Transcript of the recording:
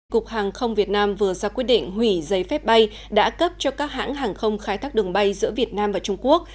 cục hàng không việt nam vừa ra quyết định hủy giấy phép bay đã cấp cho các hãng hàng không khai thác đường bay giữa việt nam và trung quốc